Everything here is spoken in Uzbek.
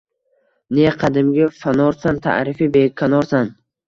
Ne qadimgi fanorsan, taʼrifi bekanorsan